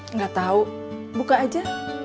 nggak tau buka aja